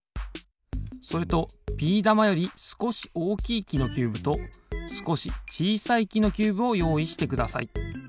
それとビー玉よりすこしおおきいきのキューブとすこしちいさいきのキューブをよういしてください。